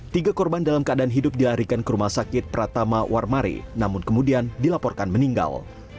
tiga korban dalam keadaan hidup dilarikan ke rumah sakit pratama warmari namun kemudian dilaporkan meninggal